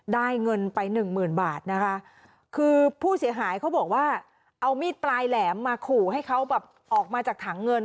ได้เงินไปหนึ่งหมื่นบาทนะคะคือผู้เสียหายเขาบอกว่าเอามีดปลายแหลมมาขู่ให้เขาแบบออกมาจากถังเงิน